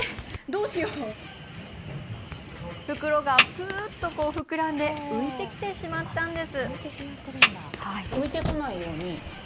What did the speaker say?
袋がぷーっと膨らんで浮いてきてしまったんです。